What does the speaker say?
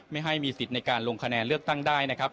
ไม่ให้มีสิทธิ์ในการลงคะแนนเลือกตั้งได้นะครับ